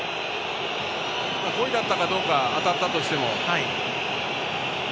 故意だったかどうか当たったとしても。